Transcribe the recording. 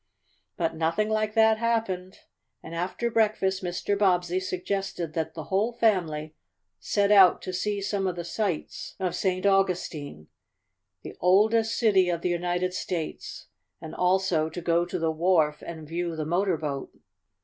But nothing like that happened, and after breakfast Mr. Bobbsey suggested that the whole family set out to see some of the sights of St. Augustine the oldest city of the United States and also to go to the wharf and view the motor boat.